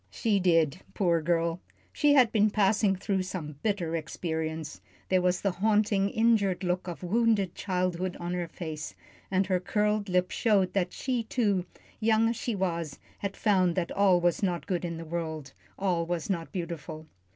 She did poor girl, she had been passing through some bitter experience. There was the haunting, injured look of wounded childhood on her face, and her curled lip showed that she, too, young as she was, had found that all was not good in the world, all was not beautiful.